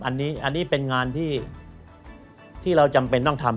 อันนี้เป็นงานที่เราจำเป็นต้องทำ